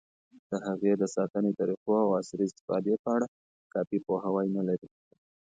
د هغې د ساتنې طریقو، او عصري استفادې په اړه کافي پوهاوی نه لري.